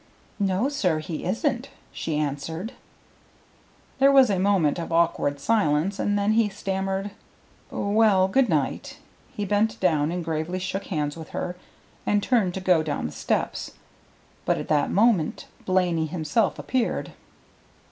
"No, sir, he isn't," she answered. There was a moment of awkward silence, and then he stammered, "Well good night." He bent down and gravely shook hands with her, and turned to go down the steps, but at that moment Blaney himself appeared.